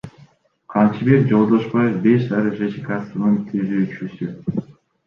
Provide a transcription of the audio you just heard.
Камчыбек Жолдошбаев — Беш Сары ЖЧКсынын түзүүчүсү.